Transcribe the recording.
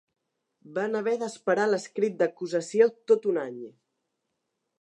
Van haver d’esperar l’escrit d’acusació tot un any.